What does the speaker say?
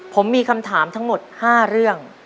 ผมมีคำถามทั้งหมด๕เรื่อง